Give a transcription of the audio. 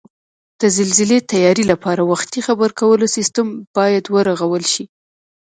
د زلزلې تیاري لپاره وختي خبرکولو سیستم بیاد ورغول شي